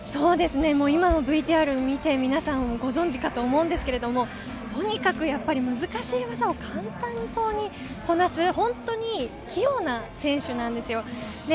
今のＶＴＲを見て皆さんご存じかと思いますが、とにかく難しい技を簡単そうにこなす器用な選手なんです。